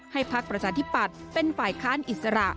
พักประชาธิปัตย์เป็นฝ่ายค้านอิสระ